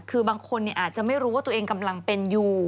คือบางคนอาจจะไม่รู้ว่าตัวเองกำลังเป็นอยู่